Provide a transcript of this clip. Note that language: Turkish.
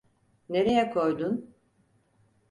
Nereye koydun?